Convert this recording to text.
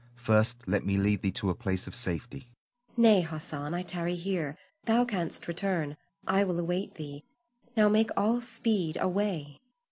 First let me lead thee to a place of safety. Zuleika. Nay, Hassan, I tarry here, thou canst return; I will await thee. Now make all speed, away!